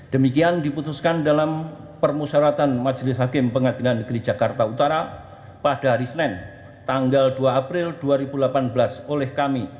demikian diputuskan dalam permusyaratan majelis hakim pengadilan negeri jakarta utara pada hari senin tanggal dua april dua ribu delapan belas oleh kami